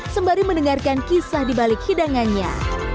sembari mendengarkan kisah di balik hidangannya